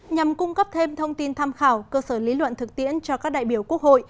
nhằm cung cấp thêm thông tin tham khảo cơ sở lý luận thực tiễn cho các đại biểu quốc hội